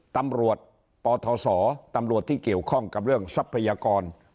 ตำรวจปทศตำรวจที่เกี่ยวข้องกับเรื่องทรัพยากร